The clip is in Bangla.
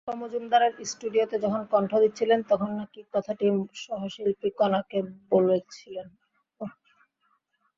বাপ্পা মজুমদারের স্টুডিওতে যখন কণ্ঠ দিচ্ছিলেন, তখন নাকি কথাটি সহশিল্পী কণাকে বলেছিলেনও।